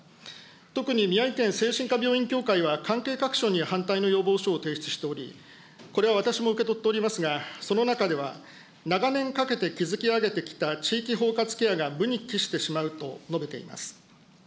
特に、宮城県精神科病院協会は関係各所に反対の要望書を提出しており、これは私も受け取っておりますが、その中では、長年かけて築き上げてきた地域包括ケアが無に帰してしまうと述べています。